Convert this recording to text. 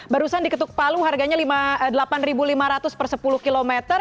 barusan di ketuk palu harganya delapan lima ratus per sepuluh km